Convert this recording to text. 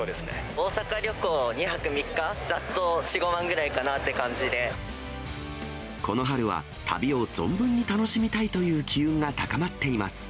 大阪旅行２泊３日、ざっと４、この春は、旅を存分に楽しみたいという機運が高まっています。